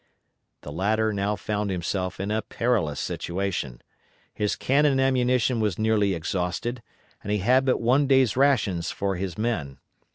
The latter now found himself in a perilous situation. His cannon ammunition was nearly exhausted, and he had but one day's rations for his men.